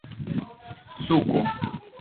suko